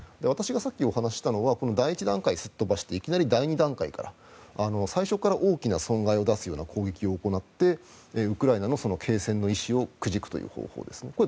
私がさっき話したのは第１段階をすっ飛ばして第２段階最初から大きな損害を出すような攻撃を行ってウクライナの継戦の意思をくじくという方法ですね。